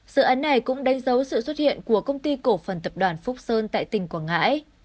dự án này cũng đánh dấu sự xuất hiện của công ty cổ phần tập đoàn phúc sơn tại tỉnh quảng ngãi